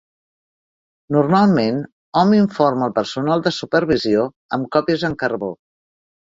Normalment, hom informa el personal de supervisió amb còpies en carbó.